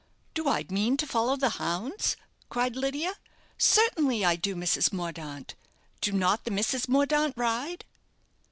"Do I mean to follow the hounds?" cried Lydia. "Certainly I do, Mrs. Mordaunt. Do not the Misses Mordaunt ride?"